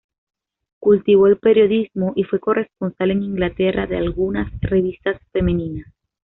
Cultivó el periodismo y fue corresponsal en Inglaterra de algunas revistas femeninas.